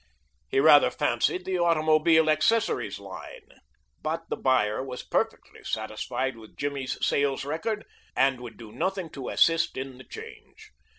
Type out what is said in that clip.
He rather fancied the automobile accessories line, but the buyer was perfectly satisfied with Jimmy's sales record, and would do nothing to assist in the change.